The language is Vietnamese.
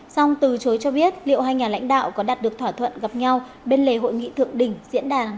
song từ chối cho biết liệu hai nhà lãnh đạo có đạt được thỏa thuận gặp nhau bên lề hội nghị thượng đỉnh diễn đàn